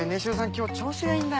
今日調子がいいんだ。